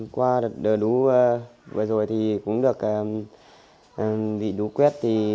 qua đợt đú vừa rồi thì cũng được bị đú quét